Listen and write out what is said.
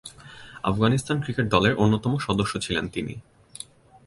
Afghanistan cricket দলের অন্যতম সদস্য ছিলেন তিনি।